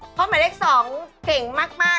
เพราะหมายเลข๒เก่งมาก